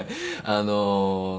あの。